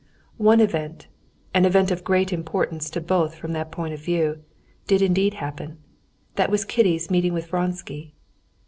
One event, an event of great importance to both from that point of view, did indeed happen—that was Kitty's meeting with Vronsky.